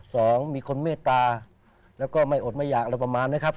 สองคนเมตตาแล้วก็ไม่อดไม่อยากอะไรประมาณนะครับ